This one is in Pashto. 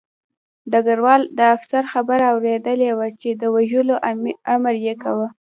ډګروال د افسر خبره اورېدلې وه چې د وژلو امر یې کاوه